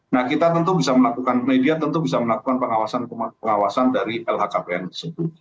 nah kita tentu bisa melakukan media tentu bisa melakukan pengawasan pengawasan dari lhkpn tersebut